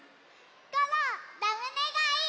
コロラムネがいい！